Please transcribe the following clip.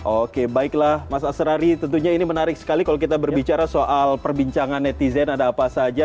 oke baiklah mas asrarie tentunya ini menarik sekali kalau kita berbicara soal perbincangan netizen ada apa saja